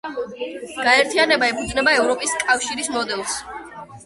გაერთიანება ეფუძნება ევროპის კავშირის მოდელს.